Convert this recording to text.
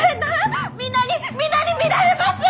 皆に皆に見られます！